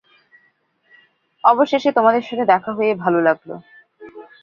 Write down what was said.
অবশেষে তোমাদের সাথে দেখা হয়ে ভালো লাগলো।